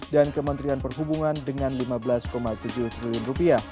dan kementerian perhubungan dengan rp lima belas tujuh triliun